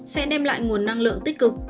sẽ đem lại nguồn năng lượng tích cực